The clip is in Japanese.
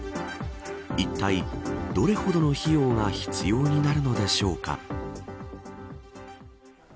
いったい、どれほどの費用が必要になるのでしょうか。